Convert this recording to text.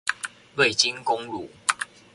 瑞金公路